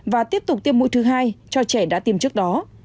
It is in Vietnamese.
và tiếp tục tiêm mũi thứ hai cho trẻ đã tiêm trước đó